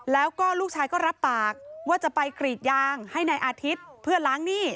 แล้วก็ลูกชายก็รับปากว่าจะไปกรีดยางให้นายอาทิตย์เพื่อล้างหนี้